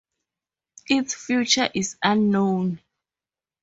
Its future is unknown.